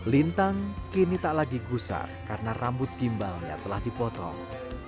lintang kini tak lagi gusar karena rambut gimbalnya telah dipotong